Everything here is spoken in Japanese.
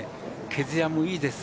毛づやもいいです。